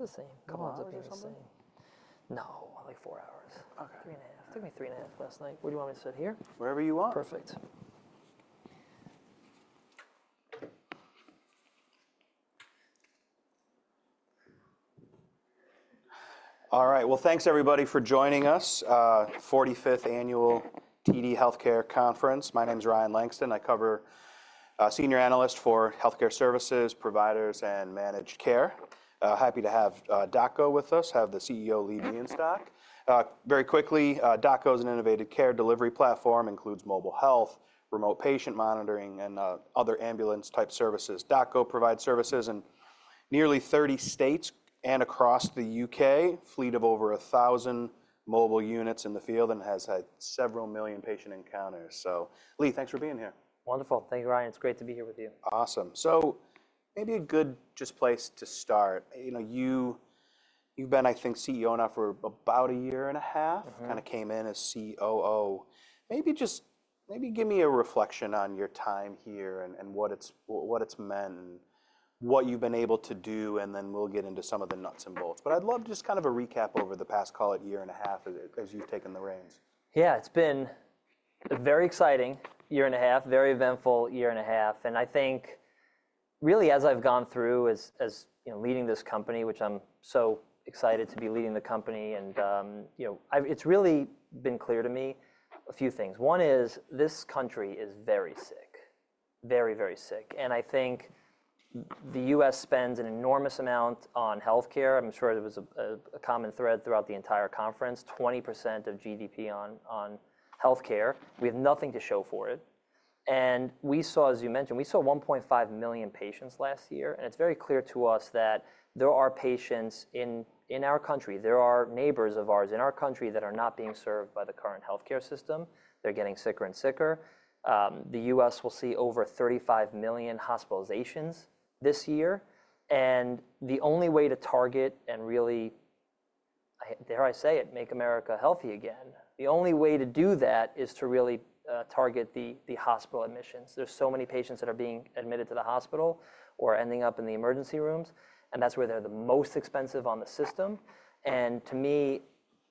This is the same. Come on. The same? No, only four hours. Okay. Three and a half. It took me three and a half last night. Where do you want me to sit here? Wherever you want. Perfect. All right. Thanks, everybody, for joining us. 45th Annual TD Healthcare Conference. My name's Ryan Langston. I cover senior analyst for healthcare services, providers, and managed care. Happy to have DocGo with us, have the CEO, Lee Bienstock. Very quickly, DocGo is an innovative care delivery platform, includes mobile health, remote patient monitoring, and other ambulance-type services. DocGo provides services in nearly 30 states and across the U.K., a fleet of over 1,000 mobile units in the field, and has had several million patient encounters. Lee, thanks for being here. Wonderful. Thank you, Ryan. It's great to be here with you. Awesome. Maybe a good just place to start. You've been, I think, CEO now for about a year and a half, kind of came in as COO. Maybe just maybe give me a reflection on your time here and what it's meant and what you've been able to do, and then we'll get into some of the nuts and bolts. I'd love just kind of a recap over the past, call it, year and a half as you've taken the reins. Yeah, it's been a very exciting year and a half, very eventful year and a half. I think, really, as I've gone through as leading this company, which I'm so excited to be leading the company, it's really been clear to me a few things. One is this country is very sick, very, very sick. I think the U.S. spends an enormous amount on healthcare. I'm sure there was a common thread throughout the entire conference: 20% of GDP on healthcare. We have nothing to show for it. We saw, as you mentioned, we saw 1.5 million patients last year. It's very clear to us that there are patients in our country, there are neighbors of ours in our country that are not being served by the current healthcare system. They're getting sicker and sicker. The U.S. will see over 35 million hospitalizations this year. The only way to target and really, dare I say it, make America healthy again, the only way to do that is to really target the hospital admissions. There are so many patients that are being admitted to the hospital or ending up in the emergency rooms, and that's where they're the most expensive on the system. To me,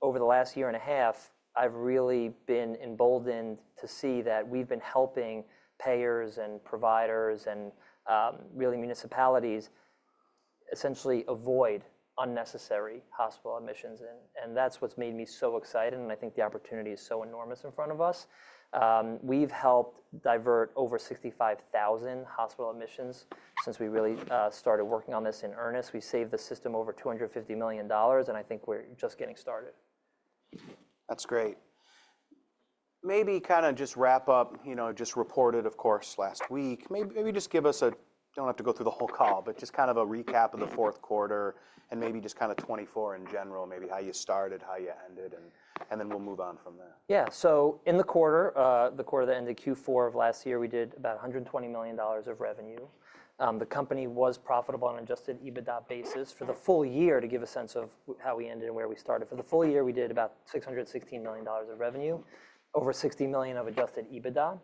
over the last year and a half, I've really been emboldened to see that we've been helping payers and providers and really municipalities essentially avoid unnecessary hospital admissions. That's what's made me so excited. I think the opportunity is so enormous in front of us. We've helped divert over 65,000 hospital admissions since we really started working on this in earnest. We saved the system over $20 million-$50 million, and I think we're just getting started. That's great. Maybe kind of just wrap up, just reported, of course, last week. Maybe just give us a, don't have to go through the whole call, but just kind of a recap of the fourth quarter and maybe just kind of 2024 in general, maybe how you started, how you ended, and then we'll move on from there. Yeah. In the quarter, the quarter that ended Q4 of last year, we did about $120 million of revenue. The company was profitable on an adjusted EBITDA basis for the full year. To give a sense of how we ended and where we started, for the full year, we did about $616 million of revenue, over $60 million of adjusted EBITDA.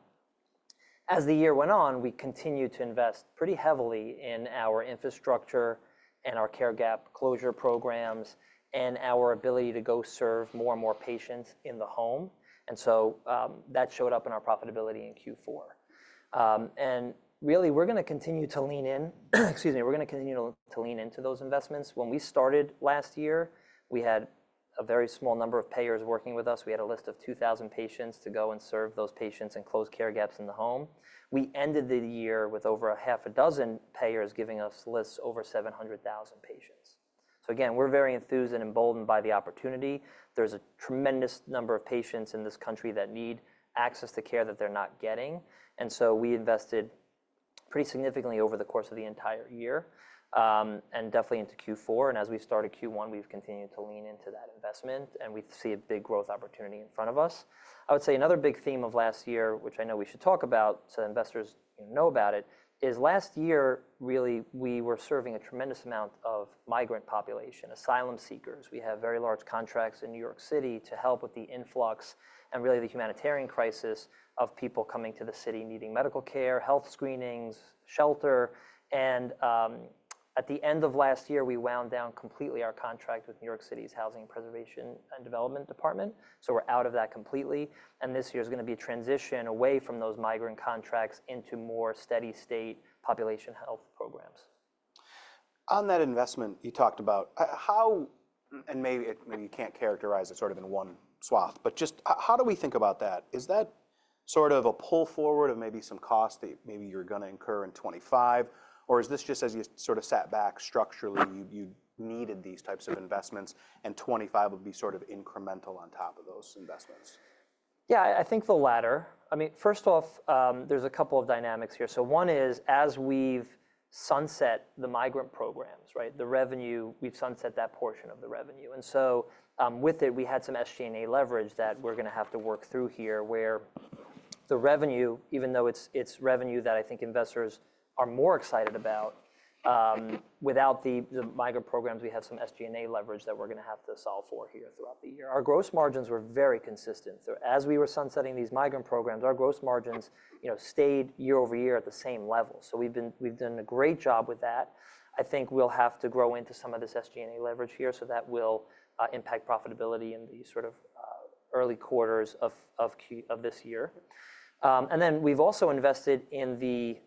As the year went on, we continued to invest pretty heavily in our infrastructure and our care gap closure programs and our ability to go serve more and more patients in the home. That showed up in our profitability in Q4. Really, we're going to continue to lean in, excuse me, we're going to continue to lean into those investments. When we started last year, we had a very small number of payers working with us. We had a list of 2,000 patients to go and serve those patients and close care gaps in the home. We ended the year with over half a dozen payers giving us lists over 700,000 patients. We are very enthused and emboldened by the opportunity. There is a tremendous number of patients in this country that need access to care that they are not getting. We invested pretty significantly over the course of the entire year and definitely into Q4. As we started Q1, we have continued to lean into that investment, and we see a big growth opportunity in front of us. I would say another big theme of last year, which I know we should talk about so investors know about it, is last year, we were serving a tremendous amount of migrant population, asylum seekers. We have very large contracts in New York City to help with the influx and really the humanitarian crisis of people coming to the city needing medical care, health screenings, shelter. At the end of last year, we wound down completely our contract with New York City's Housing and Preservation and Development Department. We are out of that completely. This year is going to be a transition away from those migrant contracts into more steady-state population health programs. On that investment you talked about, how, and maybe you can't characterize it sort of in one swath, but just how do we think about that? Is that sort of a pull forward of maybe some cost that maybe you're going to incur in 2025, or is this just as you sort of sat back structurally, you needed these types of investments, and 2025 would be sort of incremental on top of those investments? Yeah, I think the latter. I mean, first off, there's a couple of dynamics here. One is as we've sunset the migrant programs, right, the revenue, we've sunset that portion of the revenue. With it, we had some SG&A leverage that we're going to have to work through here, where the revenue, even though it's revenue that I think investors are more excited about, without the migrant programs, we have some SG&A leverage that we're going to have to solve for here throughout the year. Our gross margins were very consistent. As we were sunsetting these migrant programs, our gross margins stayed year over year at the same level. We've done a great job with that. I think we'll have to grow into some of this SG&A leverage here, so that will impact profitability in the sort of early quarters of this year. We have also invested in the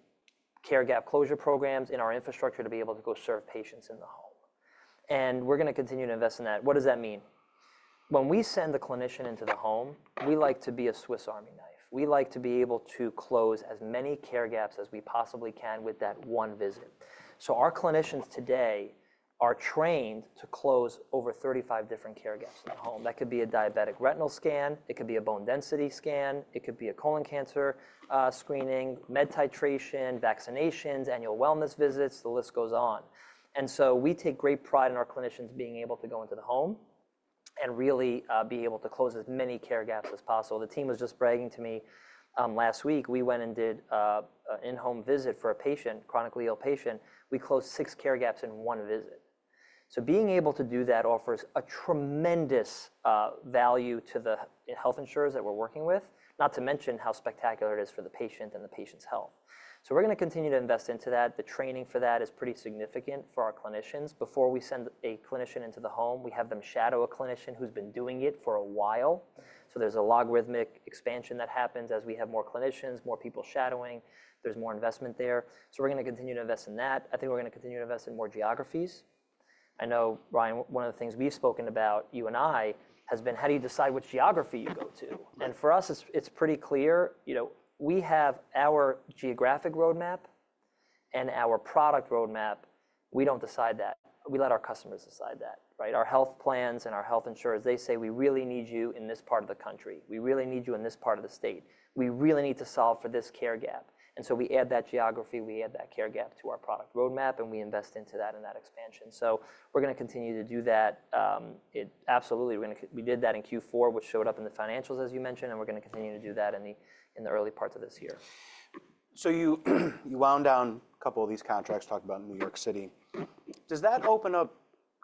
care gap closure programs in our infrastructure to be able to go serve patients in the home. We are going to continue to invest in that. What does that mean? When we send the clinician into the home, we like to be a Swiss Army knife. We like to be able to close as many care gaps as we possibly can with that one visit. Our clinicians today are trained to close over 35 different care gaps in the home. That could be a diabetic retinal scan, a bone density scan, a colon cancer screening, med titration, vaccinations, annual wellness visits. The list goes on. We take great pride in our clinicians being able to go into the home and really be able to close as many care gaps as possible. The team was just bragging to me last week. We went and did an in-home visit for a patient, chronically ill patient. We closed six care gaps in one visit. Being able to do that offers a tremendous value to the health insurers that we're working with, not to mention how spectacular it is for the patient and the patient's health. We are going to continue to invest into that. The training for that is pretty significant for our clinicians. Before we send a clinician into the home, we have them shadow a clinician who's been doing it for a while. There is a logarithmic expansion that happens as we have more clinicians, more people shadowing. There is more investment there. We are going to continue to invest in that. I think we are going to continue to invest in more geographies. I know, Ryan, one of the things we've spoken about, you and I, has been, how do you decide which geography you go to? For us, it's pretty clear. We have our geographic roadmap and our product roadmap. We don't decide that. We let our customers decide that, right? Our health plans and our health insurers, they say, "We really need you in this part of the country. We really need you in this part of the state. We really need to solve for this care gap." We add that geography, we add that care gap to our product roadmap, and we invest into that and that expansion. We're going to continue to do that. Absolutely. We did that in Q4, which showed up in the financials, as you mentioned, and we're going to continue to do that in the early parts of this year. You wound down a couple of these contracts, talked about New York City. Does that open up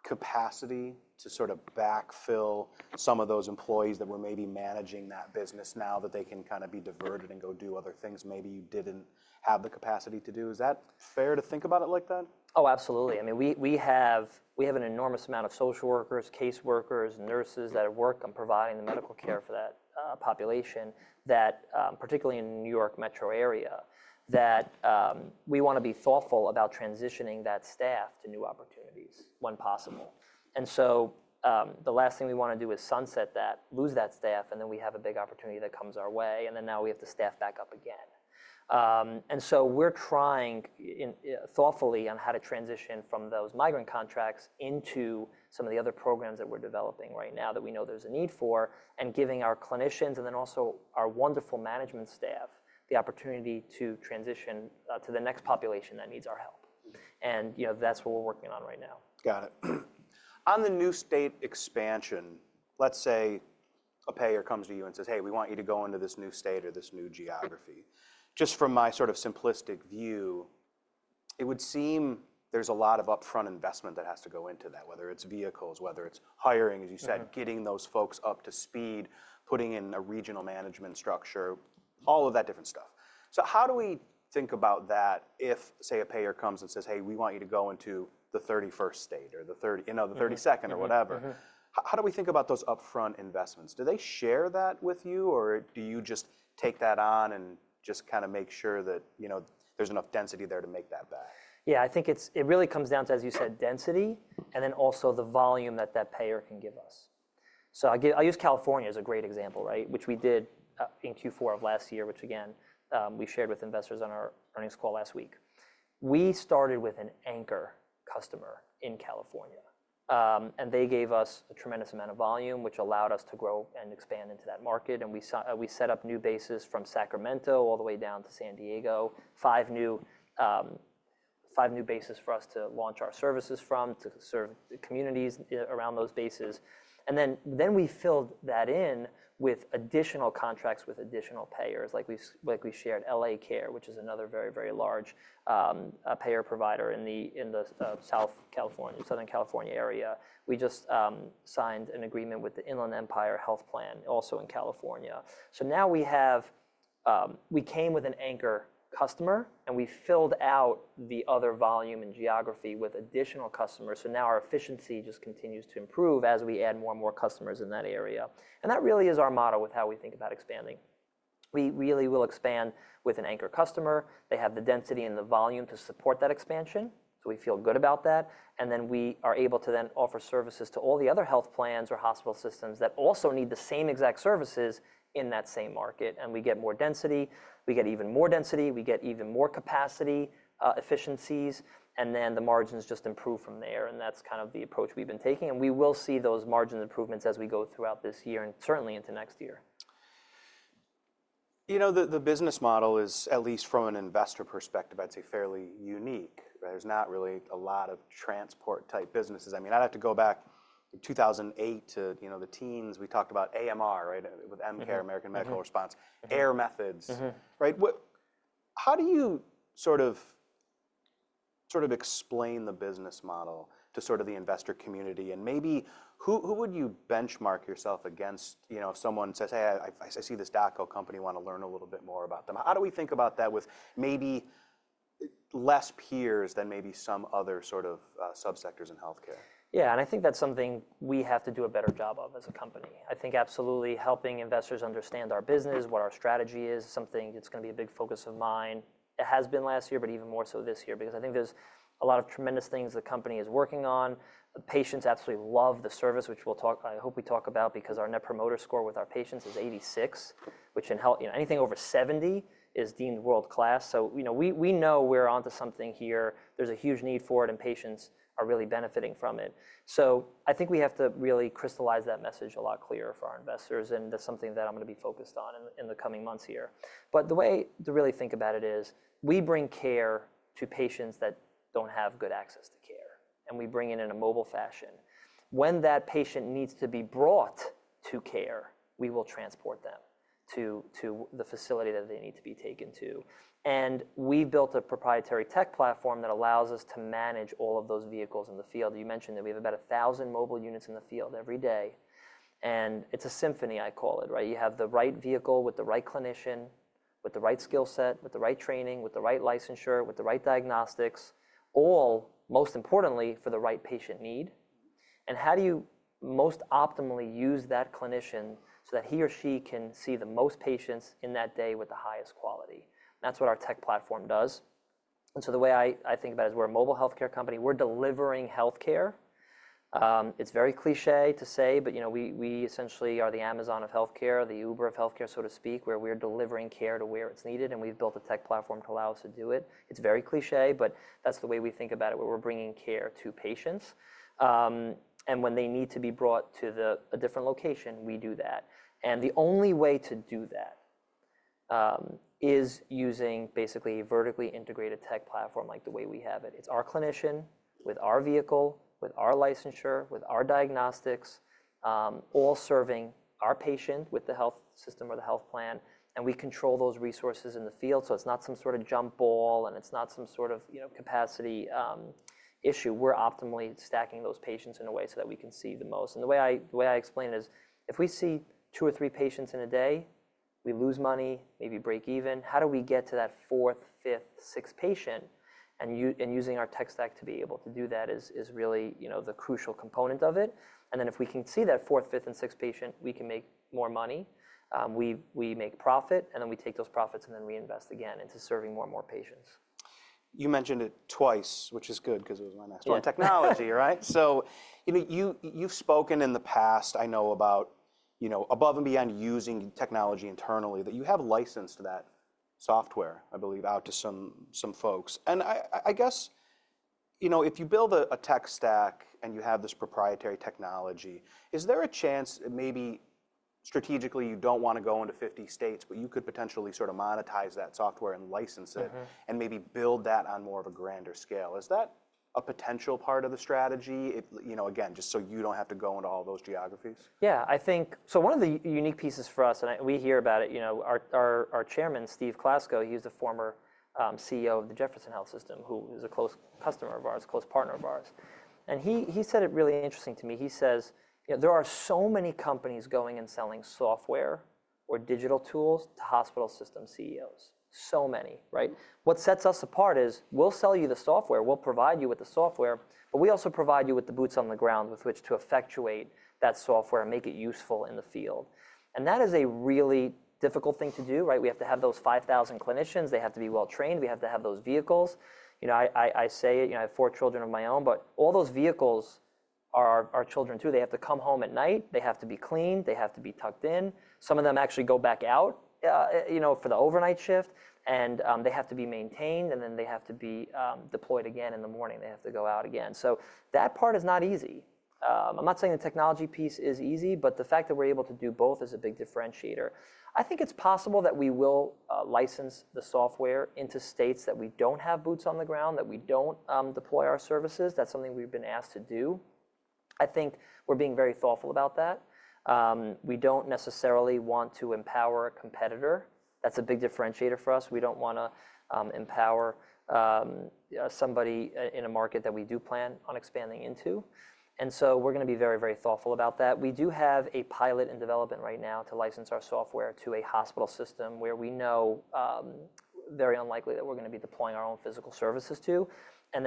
capacity to sort of backfill some of those employees that were maybe managing that business now that they can kind of be diverted and go do other things maybe you did not have the capacity to do? Is that fair to think about it like that? Oh, absolutely. I mean, we have an enormous amount of social workers, case workers, nurses that work on providing the medical care for that population, particularly in the New York metro area, that we want to be thoughtful about transitioning that staff to new opportunities when possible. The last thing we want to do is sunset that, lose that staff, and then we have a big opportunity that comes our way, and now we have to staff back up again. We are trying thoughtfully on how to transition from those migrant contracts into some of the other programs that we are developing right now that we know there is a need for and giving our clinicians and then also our wonderful management staff the opportunity to transition to the next population that needs our help. That is what we are working on right now. Got it. On the new state expansion, let's say a payer comes to you and says, "Hey, we want you to go into this new state or this new geography." Just from my sort of simplistic view, it would seem there's a lot of upfront investment that has to go into that, whether it's vehicles, whether it's hiring, as you said, getting those folks up to speed, putting in a regional management structure, all of that different stuff. How do we think about that if, say, a payer comes and says, "Hey, we want you to go into the 31st state or the 32nd or whatever"? How do we think about those upfront investments? Do they share that with you, or do you just take that on and just kind of make sure that there's enough density there to make that back? Yeah, I think it really comes down to, as you said, density and then also the volume that that payer can give us. I will use California as a great example, right, which we did in Q4 of last year, which again, we shared with investors on our earnings call last week. We started with an anchor customer in California, and they gave us a tremendous amount of volume, which allowed us to grow and expand into that market. We set up new bases from Sacramento all the way down to San Diego, five new bases for us to launch our services from to serve communities around those bases. We filled that in with additional contracts with additional payers. Like we shared, LA Care, which is another very, very large payer provider in the South California and Southern California area. We just signed an agreement with the Inland Empire Health Plan, also in California. Now we came with an anchor customer, and we filled out the other volume and geography with additional customers. Now our efficiency just continues to improve as we add more and more customers in that area. That really is our model with how we think about expanding. We really will expand with an anchor customer. They have the density and the volume to support that expansion. We feel good about that. We are able to then offer services to all the other health plans or hospital systems that also need the same exact services in that same market. We get more density. We get even more density. We get even more capacity efficiencies. The margins just improve from there. That is kind of the approach we've been taking. We will see those margin improvements as we go throughout this year and certainly into next year. You know, the business model is, at least from an investor perspective, I'd say fairly unique. There's not really a lot of transport-type businesses. I mean, I'd have to go back to 2008 to the teens. We talked about AMR, right, with American Medical Response, Air Methods, right? How do you sort of explain the business model to sort of the investor community? And maybe who would you benchmark yourself against if someone says, "Hey, I see this DocGo company. I want to learn a little bit more about them." How do we think about that with maybe less peers than maybe some other sort of subsectors in healthcare? Yeah, and I think that's something we have to do a better job of as a company. I think absolutely helping investors understand our business, what our strategy is, is something that's going to be a big focus of mine. It has been last year, but even more so this year, because I think there's a lot of tremendous things the company is working on. Patients absolutely love the service, which I hope we talk about, because our Net Promoter Score with our patients is 86, which in anything over 70 is deemed world-class. We know we're onto something here. There's a huge need for it, and patients are really benefiting from it. I think we have to really crystallize that message a lot clearer for our investors. That's something that I'm going to be focused on in the coming months here. The way to really think about it is we bring care to patients that do not have good access to care, and we bring it in a mobile fashion. When that patient needs to be brought to care, we will transport them to the facility that they need to be taken to. We built a proprietary tech platform that allows us to manage all of those vehicles in the field. You mentioned that we have about 1,000 mobile units in the field every day. It is a symphony, I call it, right? You have the right vehicle with the right clinician, with the right skill set, with the right training, with the right licensure, with the right diagnostics, all most importantly for the right patient need. How do you most optimally use that clinician so that he or she can see the most patients in that day with the highest quality? That is what our tech platform does. The way I think about it is we are a mobile healthcare company. We are delivering healthcare. It is very cliché to say, but we essentially are the Amazon of healthcare, the Uber of healthcare, so to speak, where we are delivering care to where it is needed. We have built a tech platform to allow us to do it. It is very cliché, but that is the way we think about it, where we are bringing care to patients. When they need to be brought to a different location, we do that. The only way to do that is using basically a vertically integrated tech platform like the way we have it. It's our clinician with our vehicle, with our licensure, with our diagnostics, all serving our patient with the health system or the health plan. We control those resources in the field. It's not some sort of jump ball, and it's not some sort of capacity issue. We're optimally stacking those patients in a way so that we can see the most. The way I explain it is if we see two or three patients in a day, we lose money, maybe break even. How do we get to that fourth, fifth, sixth patient? Using our tech stack to be able to do that is really the crucial component of it. If we can see that fourth, fifth, and sixth patient, we can make more money. We make profit, and then we take those profits and reinvest again into serving more and more patients. You mentioned it twice, which is good because it was my next one, technology, right? You have spoken in the past, I know, about above and beyond using technology internally, that you have licensed that software, I believe, out to some folks. I guess if you build a tech stack and you have this proprietary technology, is there a chance maybe strategically you do not want to go into 50 states, but you could potentially sort of monetize that software and license it and maybe build that on more of a grander scale? Is that a potential part of the strategy, again, just so you do not have to go into all those geographies? Yeah, I think so. One of the unique pieces for us, and we hear about it, our Chairman, Steve Klassco, he's the former CEO of the Jefferson Health System, who is a close customer of ours, close partner of ours. He said it really interesting to me. He says, "There are so many companies going and selling software or digital tools to hospital system CEOs, so many, right? What sets us apart is we'll sell you the software. We'll provide you with the software, but we also provide you with the boots on the ground with which to effectuate that software and make it useful in the field." That is a really difficult thing to do, right? We have to have those 5,000 clinicians. They have to be well trained. We have to have those vehicles. I say it. I have four children of my own, but all those vehicles are our children too. They have to come home at night. They have to be cleaned. They have to be tucked in. Some of them actually go back out for the overnight shift, and they have to be maintained, and then they have to be deployed again in the morning. They have to go out again. That part is not easy. I'm not saying the technology piece is easy, but the fact that we're able to do both is a big differentiator. I think it's possible that we will license the software into states that we don't have boots on the ground, that we don't deploy our services. That's something we've been asked to do. I think we're being very thoughtful about that. We don't necessarily want to empower a competitor. That's a big differentiator for us. We do not want to empower somebody in a market that we do plan on expanding into. We are going to be very, very thoughtful about that. We do have a pilot in development right now to license our software to a hospital system where we know it is very unlikely that we are going to be deploying our own physical services.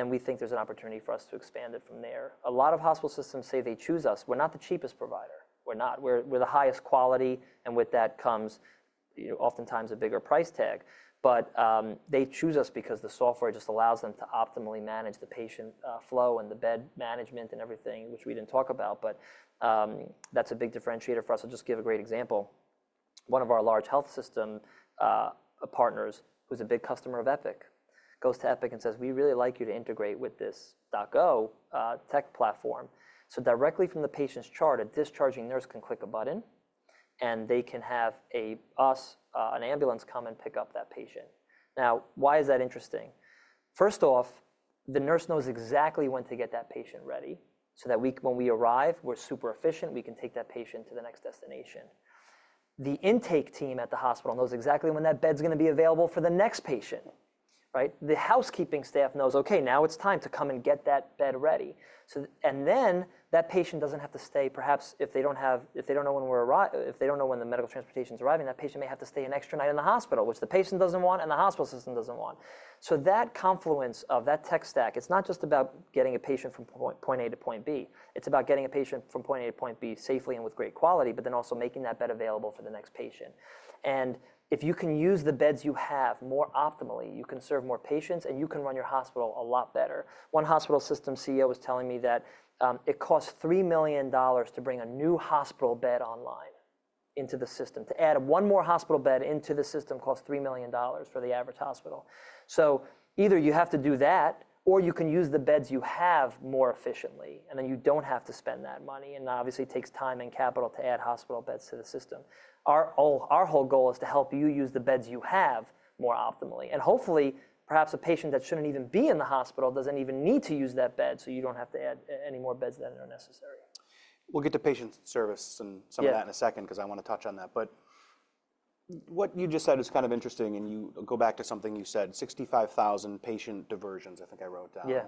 We think there is an opportunity for us to expand it from there. A lot of hospital systems say they choose us. We are not the cheapest provider. We are the highest quality, and with that comes oftentimes a bigger price tag. They choose us because the software just allows them to optimally manage the patient flow and the bed management and everything, which we did not talk about. That is a big differentiator for us. I will just give a great example. One of our large health system partners, who's a big customer of Epic, goes to Epic and says, "We really like you to integrate with this DocGo tech platform." Directly from the patient's chart, a discharging nurse can click a button, and they can have us, an ambulance, come and pick up that patient. Now, why is that interesting? First off, the nurse knows exactly when to get that patient ready so that when we arrive, we're super efficient. We can take that patient to the next destination. The intake team at the hospital knows exactly when that bed's going to be available for the next patient, right? The housekeeping staff knows, "Okay, now it's time to come and get that bed ready." That patient doesn't have to stay, perhaps if they don't know when we're arriving, if they don't know when the medical transportation's arriving, that patient may have to stay an extra night in the hospital, which the patient doesn't want and the hospital system doesn't want. That confluence of that tech stack, it's not just about getting a patient from point A to point B. It's about getting a patient from point A to point B safely and with great quality, but then also making that bed available for the next patient. If you can use the beds you have more optimally, you can serve more patients, and you can run your hospital a lot better. One hospital system CEO was telling me that it costs $3 million to bring a new hospital bed online into the system. To add one more hospital bed into the system costs $3 million for the average hospital. Either you have to do that, or you can use the beds you have more efficiently, and then you do not have to spend that money. Obviously, it takes time and capital to add hospital beds to the system. Our whole goal is to help you use the beds you have more optimally. Hopefully, perhaps a patient that should not even be in the hospital does not even need to use that bed, so you do not have to add any more beds than are necessary. We'll get to patient service and some of that in a second because I want to touch on that. What you just said is kind of interesting. You go back to something you said, 65,000 patient diversions, I think I wrote down. Yeah.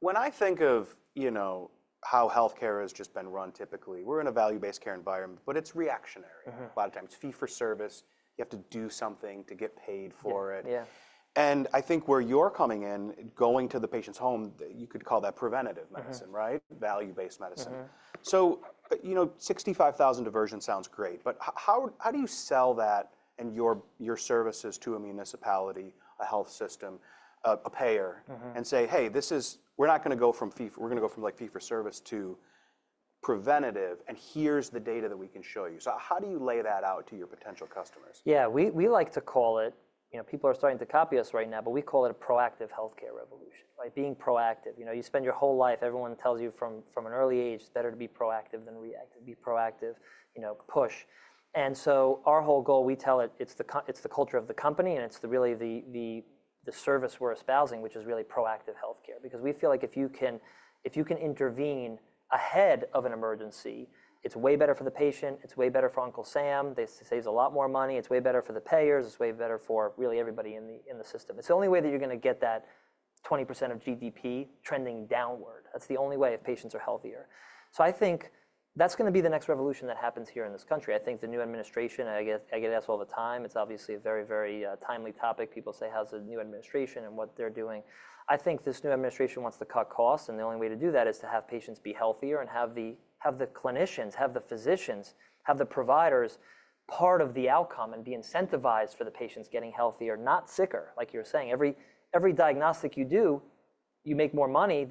When I think of how healthcare has just been run typically, we're in a value-based care environment, but it's reactionary a lot of times. Fee for service. You have to do something to get paid for it. Yeah. I think where you're coming in, going to the patient's home, you could call that preventative medicine, right? Value-based medicine. Sixty-five thousand diversion sounds great. How do you sell that and your services to a municipality, a health system, a payer, and say, "Hey, we're not going to go from fee for, we're going to go from fee for service to preventative, and here's the data that we can show you." How do you lay that out to your potential customers? Yeah, we like to call it people are starting to copy us right now, but we call it a proactive healthcare revolution, right? Being proactive. You spend your whole life. Everyone tells you from an early age, it's better to be proactive than to be proactive, push. Our whole goal, we tell it, it's the culture of the company, and it's really the service we're espousing, which is really proactive healthcare. Because we feel like if you can intervene ahead of an emergency, it's way better for the patient. It's way better for Uncle Sam. They save a lot more money. It's way better for the payers. It's way better for really everybody in the system. It's the only way that you're going to get that 20% of GDP trending downward. That's the only way if patients are healthier. I think that's going to be the next revolution that happens here in this country. I think the new administration, I get asked all the time, it's obviously a very, very timely topic. People say, "How's the new administration and what they're doing?" I think this new administration wants to cut costs. The only way to do that is to have patients be healthier and have the clinicians, have the physicians, have the providers part of the outcome and be incentivized for the patients getting healthier, not sicker, like you were saying. Every diagnostic you do, you make more money.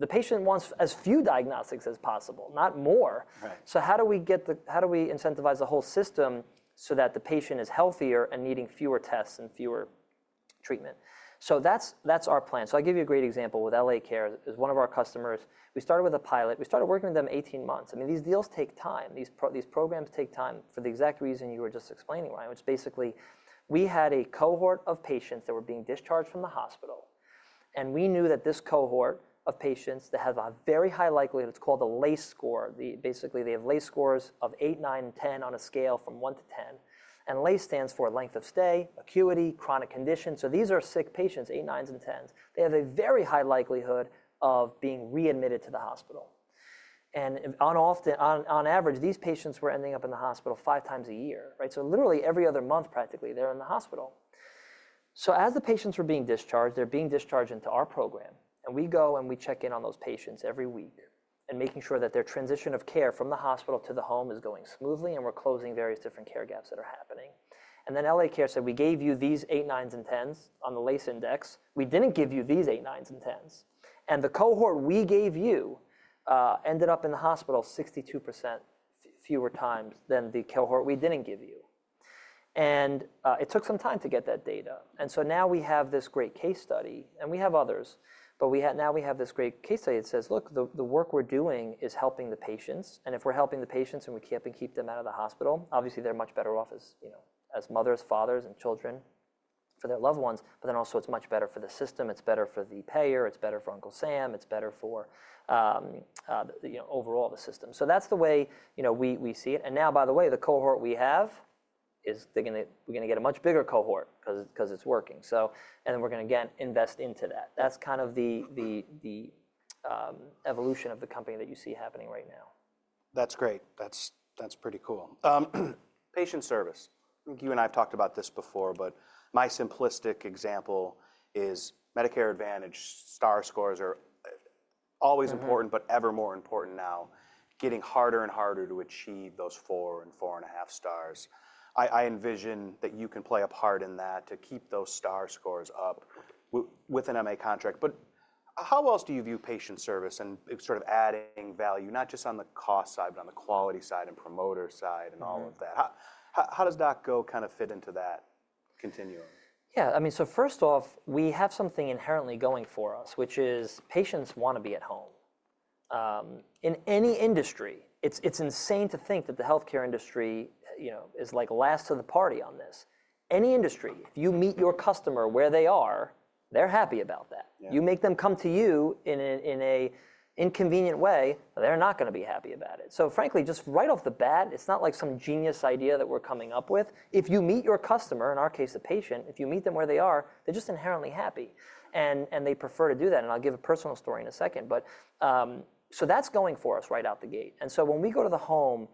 The patient wants as few diagnostics as possible, not more. How do we incentivize the whole system so that the patient is healthier and needing fewer tests and fewer treatment? That's our plan. I'll give you a great example with LA Care. It was one of our customers. We started with a pilot. We started working with them 18 months. I mean, these deals take time. These programs take time for the exact reason you were just explaining why, which basically we had a cohort of patients that were being discharged from the hospital. We knew that this cohort of patients that have a very high likelihood, it's called a LACE score. Basically, they have LACE scores of 8, 9, and 10 on a scale from 1 to 10. LACE stands for length of stay, acuity, chronic condition. These are sick patients, 8, 9s, and 10s. They have a very high likelihood of being readmitted to the hospital. On average, these patients were ending up in the hospital five times a year, right? Literally every other month, practically, they're in the hospital. As the patients were being discharged, they're being discharged into our program. We go and we check in on those patients every week and making sure that their transition of care from the hospital to the home is going smoothly and we're closing various different care gaps that are happening. LA Care said, "We gave you these 8, 9s, and 10s on the LACE index. We didn't give you these 8, 9s, and 10s. The cohort we gave you ended up in the hospital 62% fewer times than the cohort we didn't give you." It took some time to get that data. Now we have this great case study, and we have others, but now we have this great case study that says, "Look, the work we're doing is helping the patients. If we're helping the patients and we can't keep them out of the hospital, obviously they're much better off as mothers, fathers, and children for their loved ones. It is much better for the system. It is better for the payer. It is better for Uncle Sam. It is better for overall the system. That is the way we see it. By the way, the cohort we have is we're going to get a much bigger cohort because it's working. We are going to, again, invest into that. That is kind of the evolution of the company that you see happening right now. That's great. That's pretty cool. Patient service. You and I have talked about this before, but my simplistic example is Medicare Advantage. Star scores are always important, but ever more important now, getting harder and harder to achieve those four and four and a half stars. I envision that you can play a part in that to keep those star scores up with an MA contract. How else do you view patient service and sort of adding value, not just on the cost side, but on the quality side and promoter side and all of that? How does DocGo kind of fit into that continuum? Yeah. I mean, first off, we have something inherently going for us, which is patients want to be at home. In any industry, it's insane to think that the healthcare industry is last to the party on this. Any industry, if you meet your customer where they are, they're happy about that. You make them come to you in an inconvenient way, they're not going to be happy about it. Frankly, just right off the bat, it's not like some genius idea that we're coming up with. If you meet your customer, in our case, the patient, if you meet them where they are, they're just inherently happy. They prefer to do that. I'll give a personal story in a second. That's going for us right out the gate. When we go to the home,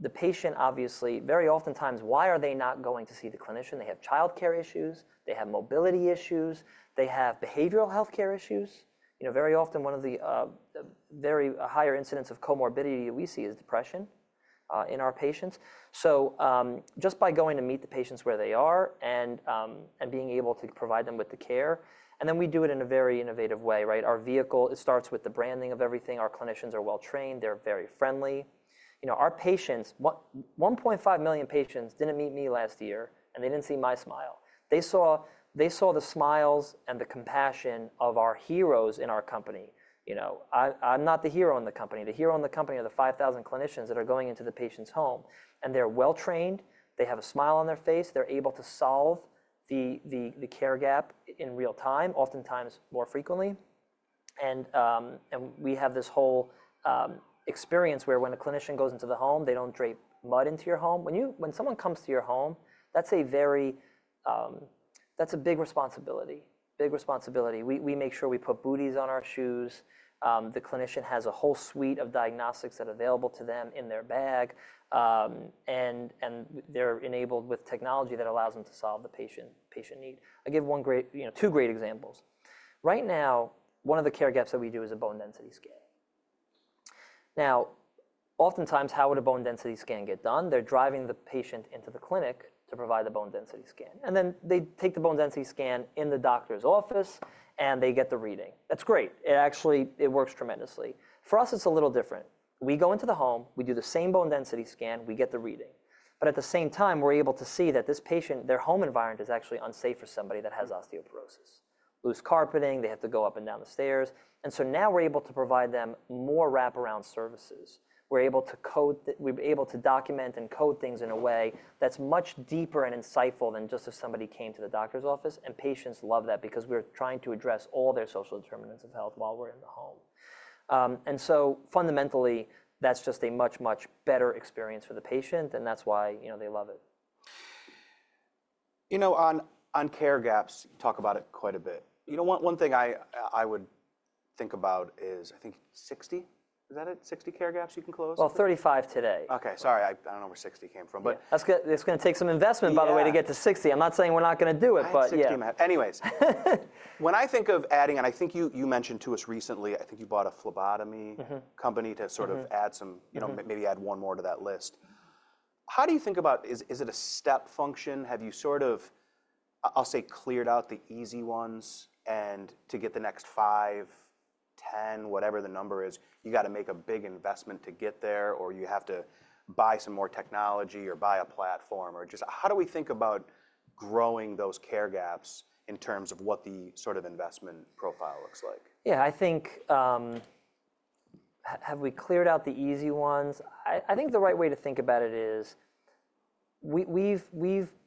the patient obviously, very oftentimes, why are they not going to see the clinician? They have childcare issues. They have mobility issues. They have behavioral healthcare issues. Very often, one of the very higher incidents of comorbidity that we see is depression in our patients. Just by going to meet the patients where they are and being able to provide them with the care. We do it in a very innovative way, right? Our vehicle starts with the branding of everything. Our clinicians are well trained. They're very friendly. Our patients, 1.5 million patients did not meet me last year, and they did not see my smile. They saw the smiles and the compassion of our heroes in our company. I'm not the hero in the company. The hero in the company are the 5,000 clinicians that are going into the patient's home. They're well trained. They have a smile on their face. They're able to solve the care gap in real time, oftentimes more frequently. We have this whole experience where when a clinician goes into the home, they don't drape mud into your home. When someone comes to your home, that's a big responsibility. Big responsibility. We make sure we put booties on our shoes. The clinician has a whole suite of diagnostics that are available to them in their bag. They're enabled with technology that allows them to solve the patient need. I'll give two great examples. Right now, one of the care gaps that we do is a bone density scan. Now, oftentimes, how would a bone density scan get done? They're driving the patient into the clinic to provide the bone density scan. They take the bone density scan in the doctor's office, and they get the reading. That's great. It actually works tremendously. For us, it's a little different. We go into the home. We do the same bone density scan. We get the reading. At the same time, we're able to see that this patient, their home environment is actually unsafe for somebody that has osteoporosis. Loose carpeting. They have to go up and down the stairs. Now we're able to provide them more wraparound services. We're able to code. We're able to document and code things in a way that's much deeper and insightful than just if somebody came to the doctor's office. Patients love that because we're trying to address all their social determinants of health while we're in the home. Fundamentally, that's just a much, much better experience for the patient. That's why they love it. You know, on care gaps, you talk about it quite a bit. One thing I would think about is, I think 60? Is that it? Sixty care gaps you can close? Thirty-five today. Okay. Sorry. I don't know where 60 came from. It's going to take some investment, by the way, to get to 60. I'm not saying we're not going to do it, but yeah. Anyways, when I think of adding, and I think you mentioned to us recently, I think you bought a phlebotomy company to sort of add some, maybe add one more to that list. How do you think about, is it a step function? Have you sort of, I'll say, cleared out the easy ones? To get the next 5, 10, whatever the number is, you got to make a big investment to get there, or you have to buy some more technology or buy a platform or just how do we think about growing those care gaps in terms of what the sort of investment profile looks like? Yeah. I think have we cleared out the easy ones? I think the right way to think about it is we've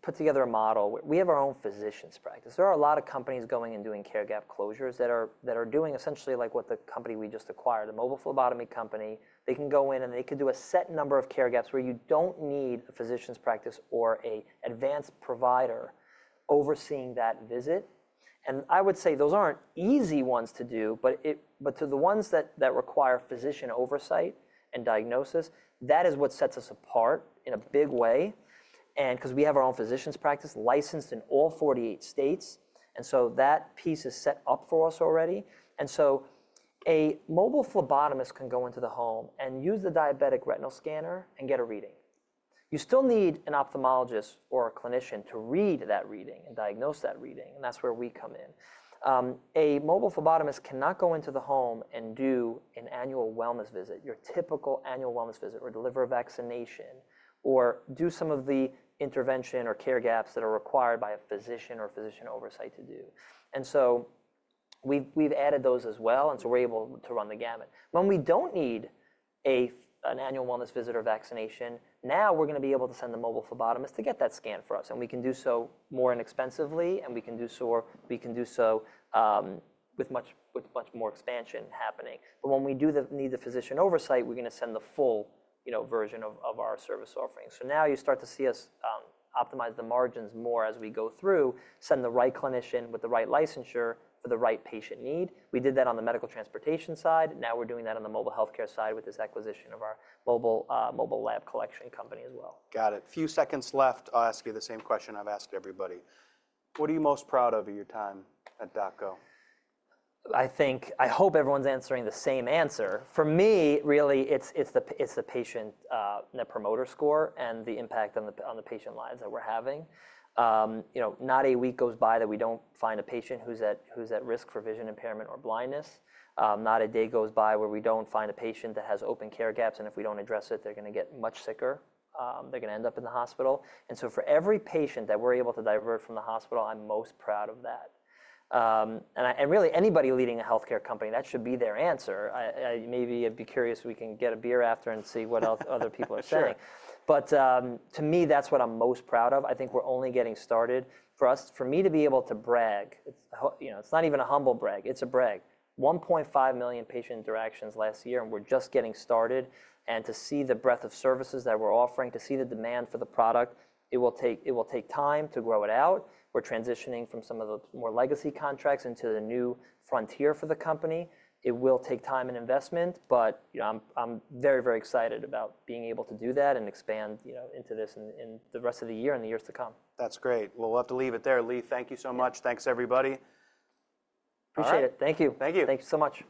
put together a model. We have our own physicians' practice. There are a lot of companies going and doing care gap closures that are doing essentially like what the company we just acquired, the mobile phlebotomy company. They can go in, and they can do a set number of care gaps where you don't need a physician's practice or an advanced provider overseeing that visit. I would say those aren't easy ones to do. To the ones that require physician oversight and diagnosis, that is what sets us apart in a big way. Because we have our own physicians' practice licensed in all 48 states. That piece is set up for us already. A mobile phlebotomist can go into the home and use the diabetic retinal scanner and get a reading. You still need an ophthalmologist or a clinician to read that reading and diagnose that reading. That is where we come in. A mobile phlebotomist cannot go into the home and do an annual wellness visit, your typical annual wellness visit, or deliver a vaccination or do some of the intervention or care gaps that are required by a physician or physician oversight to do. We have added those as well. We are able to run the gamut. When we do not need an annual wellness visit or vaccination, now we are going to be able to send the mobile phlebotomist to get that scan for us. We can do so more inexpensively. We can do so with much more expansion happening. When we do need the physician oversight, we're going to send the full version of our service offering. Now you start to see us optimize the margins more as we go through, send the right clinician with the right licensure for the right patient need. We did that on the medical transportation side. Now we're doing that on the mobile healthcare side with this acquisition of our mobile lab collection company as well. Got it. Few seconds left. I'll ask you the same question I've asked everybody. What are you most proud of your time at DocGo? I think I hope everyone's answering the same answer. For me, really, it's the patient promoter score and the impact on the patient lives that we're having. Not a week goes by that we don't find a patient who's at risk for vision impairment or blindness. Not a day goes by where we don't find a patient that has open care gaps. If we don't address it, they're going to get much sicker. They're going to end up in the hospital. For every patient that we're able to divert from the hospital, I'm most proud of that. Really, anybody leading a healthcare company, that should be their answer. Maybe I'd be curious if we can get a beer after and see what other people are saying. To me, that's what I'm most proud of. I think we're only getting started. For me to be able to brag, it's not even a humble brag. It's a brag. 1.5 million patient interactions last year, and we're just getting started. To see the breadth of services that we're offering, to see the demand for the product, it will take time to grow it out. We're transitioning from some of the more legacy contracts into the new frontier for the company. It will take time and investment. I'm very, very excited about being able to do that and expand into this in the rest of the year and the years to come. That's great. We'll have to leave it there. Lee, thank you so much. Thanks, everybody. Appreciate it. Thank you. Thank you. Thank you so much.